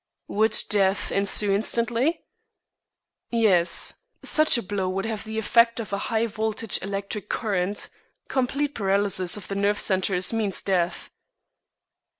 "Would death ensue instantly?" "Yes. Such a blow would have the effect of a high voltage electric current. Complete paralysis of the nerve centres means death."